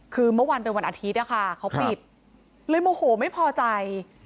คือเมื่อวานเป็นวันอาทิตย์นะคะเขาปิดเลยโมโหไม่พอใจ